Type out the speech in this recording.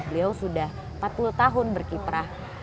beliau sudah empat puluh tahun berkiprah